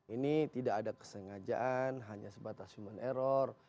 ini tidak ada kesengajaan hanya sebatas human error